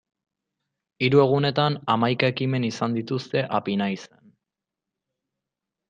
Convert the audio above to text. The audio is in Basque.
Hiru egunetan hamaika ekimen izan dituzte Apinaizen.